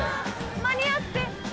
間に合って！